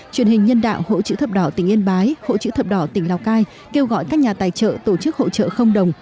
truyền hình nhân đạo hộ chữ thập đỏ tỉnh yên bái hộ chữ thập đỏ tỉnh lào cai kêu gọi các nhà tài trợ tổ chức hỗ trợ không đồng